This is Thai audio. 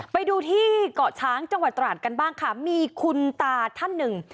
ไปดูที่เกาะช้างจังหวัดตราดกันบ้างค่ะมีคุณตาท่านหนึ่ง